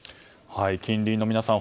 近隣の皆さん